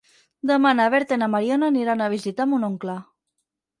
Demà na Berta i na Mariona aniran a visitar mon oncle.